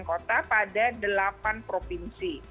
kota pada delapan provinsi